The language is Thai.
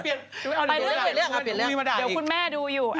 เปลี่ยนเรื่องอ่ะเดี๋ยวคุณแม่ดูอยู่